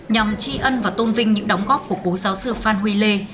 nhằm tri ân và tôn vinh những đóng góp của cố giáo sư phan huy lê